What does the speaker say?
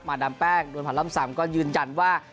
มาดามแป้งดวนผัดล้อม๓ก็ยืนยันว่า